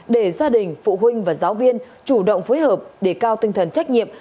để gia đình phụ huynh và giáo viên chủ động phối hợp để cao tinh thần trách nhiệm